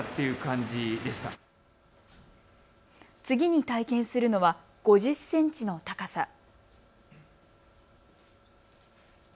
次に体験するのは５０センチの高さ。